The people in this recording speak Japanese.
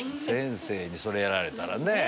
先生にそれやられたらね。